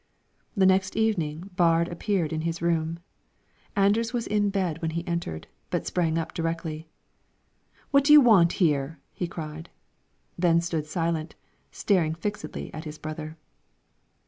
The next evening Baard appeared in his room. Anders was in bed when he entered, but sprang directly up. "What do you want here?" he cried, then stood silent, staring fixedly at his brother.